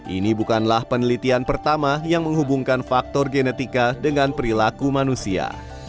ini bukanlah penelitian pertama yang menghubungkan faktor genetika dengan perilaku manusia